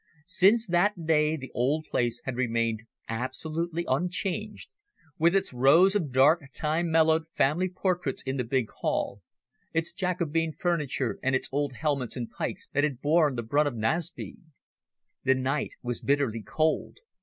Since that day the old place had remained absolutely unchanged, with its rows of dark, time mellowed family portraits in the big hall, its Jacobean furniture and its old helmets and pikes that had borne the brunt of Naseby. The night was bitterly cold.